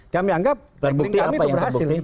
kami anggap backing kami itu berhasil